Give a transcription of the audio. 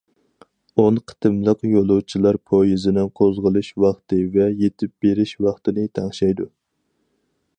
ئون قېتىملىق يولۇچىلار پويىزىنىڭ قوزغىلىش ۋاقتى ۋە يېتىپ بېرىش ۋاقتىنى تەڭشەيدۇ.